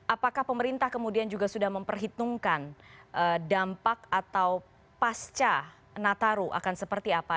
apakah pemerintah kemudian juga sudah memperhitungkan dampak atau pasca nataru akan seperti apa